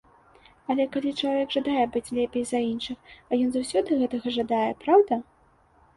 Але калі чалавек жадае быць лепей за іншых, а ён заўсёды гэтага жадае, праўда?